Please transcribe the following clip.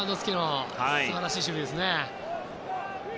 素晴らしい守備ですね。